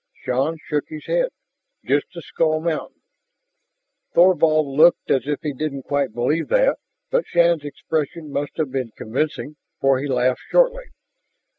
Shann shook his head. "Just the skull mountain." Thorvald looked as if he didn't quite believe that, but Shann's expression must have been convincing, for he laughed shortly.